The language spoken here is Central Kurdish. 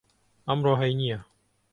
ئەمڕۆ هەینییە.